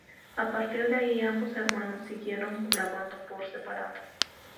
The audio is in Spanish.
A partir de ahí ambos hermanos siguieron grabando por separado.